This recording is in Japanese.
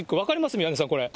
宮根さん、これ。